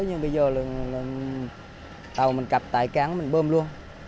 nhưng bây giờ là tàu mình cặp tại cáng mình bơm luôn